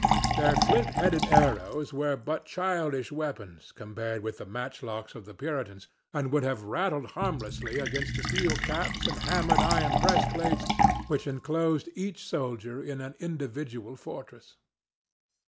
Their flint headed arrows were but childish weapons, compared with the matchlocks of the Puritans, and would have rattled harmlessly against the steel caps and hammered iron breastplates which enclosed each soldier in an individual fortress.